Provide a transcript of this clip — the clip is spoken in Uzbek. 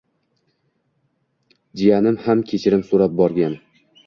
Jiyanim ham kechirim so'rab borgan